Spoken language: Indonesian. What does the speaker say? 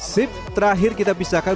sip terakhir kita pisahkan